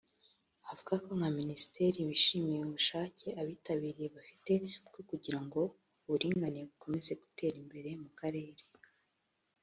avuga ko nka Minisiteri bishimiye ubushake abitabiriye bafite bwo kugira ngo uburinganire bukomeze gutera imbere mu karere